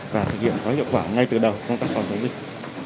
và thực hiện có hiệu quả ngay từ đầu trong các phòng chống dịch